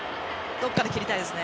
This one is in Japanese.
どこかできりたいですね。